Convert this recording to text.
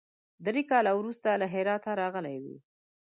درې کاله وروسته هرات راغلی وي.